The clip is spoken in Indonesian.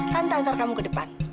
tante angkar kamu ke depan